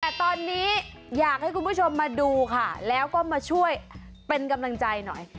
แต่ตอนนี้อยากให้คุณผู้ชมมาดูค่ะแล้วก็มาช่วยเป็นกำลังใจหน่อย